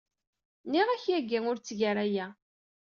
Nniɣ-ak yagi ur tteg ara aya.